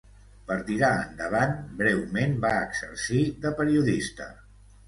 Per tirar endavant, breument va exercir de periodista.